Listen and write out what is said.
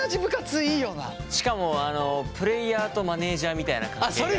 しかもプレーヤーとマネージャーみたいな関係がいいよね。